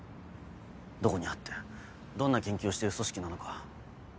どこにあってどんな研究をしてる組織なのか。